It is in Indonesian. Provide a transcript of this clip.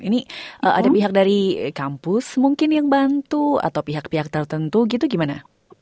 ini ada pihak dari kampus mungkin yang bantu atau pihak pihak tertentu gitu gimana